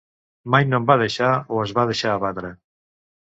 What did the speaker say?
Mai no em va deixar -o es va deixar- abatre.